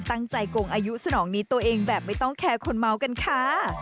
โกงอายุสนองนี้ตัวเองแบบไม่ต้องแคร์คนเมากันค่ะ